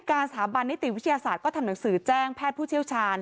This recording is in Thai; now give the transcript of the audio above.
สถาบันนิติวิทยาศาสตร์ก็ทำหนังสือแจ้งแพทย์ผู้เชี่ยวชาญ